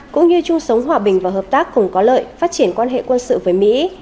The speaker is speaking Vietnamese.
cũng như chung sống hòa bình và hợp tác cùng có lợi phát triển quan hệ quân sự với mỹ